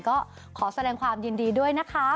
ก็ขอแสดงความยินดีด้วยนะคะ